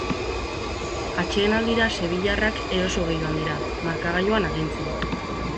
Atsedenaldira sevillarrak erosoegi joan dira, markagailuan agintzen.